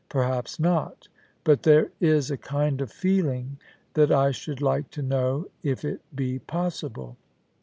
Perhaps not, but there is a kind of feeling that I should like to know if it be possible.